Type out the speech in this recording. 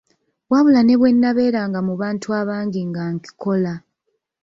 Wabula ne bwe nabeeranga mu bantu abangi ng'ankikola.